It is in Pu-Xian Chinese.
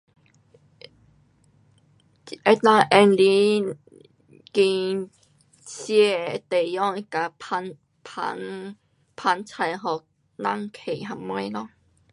能够用来近吃的地方，它自捧，捧，捧菜给人客什么咯。